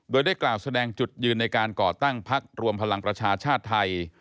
โดยได้กล่าวแสดงจุดยืนในการก่อตั้งพักรวมพลังประชาชาติไทย